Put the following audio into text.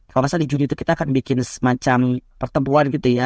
kalau di jogja kita akan bikin pertempuan